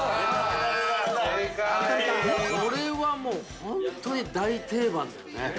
◆これはもう本当に大定番だよね。